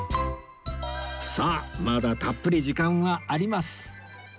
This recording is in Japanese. さあまだたっぷり時間はあります